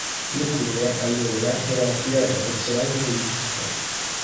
Le cure allora erano affidate a personale religioso.